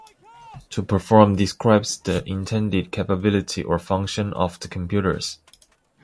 "To perform" describes the intended capability or function of the computers.